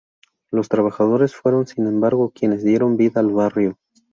Los trabajadores fueron sin embargo, quienes dieron vida al barrio.